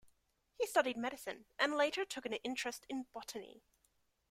He studied medicine and later took an interest in botany.